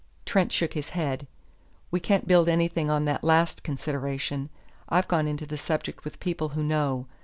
Trent shook his head. "We can't build anything on that last consideration. I've gone into the subject with people who know.